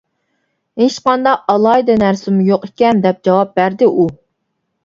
«ھېچقانداق ئالاھىدە نەرسىمۇ يوق ئىكەن» دەپ جاۋاب بەردى ئۇ.